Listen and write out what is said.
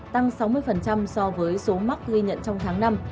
tăng sáu mươi so với số mắc ghi nhận trong tháng năm